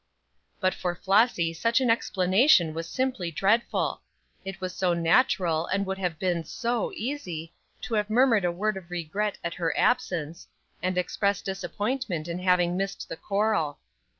But for Flossy such an explanation was simply dreadful. It was so natural, and would have been so easy, to have murmured a word of regret at her absence, and expressed disappointment in having missed the choral.